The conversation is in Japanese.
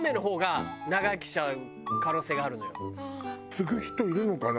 継ぐ人いるのかな？